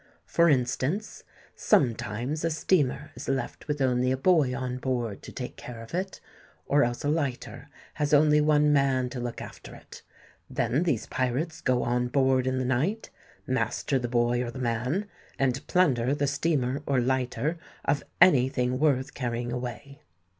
For instance, sometimes a steamer is left with only a boy on board to take care of it; or else a lighter has only one man to look after it. Then these pirates go on board in the night, master the boy or the man, and plunder the steamer or lighter of any thing worth carrying away."